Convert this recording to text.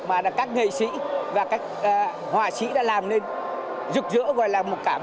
mà các nghệ sĩ và các hòa sĩ đã làm nên rực rỡ gọi là một cảnh